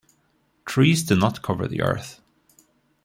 Trees do not cover the Earth.